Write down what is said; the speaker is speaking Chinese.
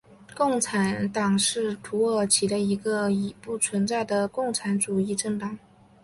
共产党是土耳其的一个已不存在的共产主义政党。